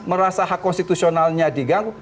merasa hak konstitusionalnya diganggu